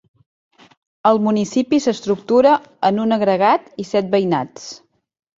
El municipi s'estructura en un agregat i set veïnats.